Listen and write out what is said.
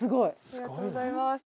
ありがとうございます。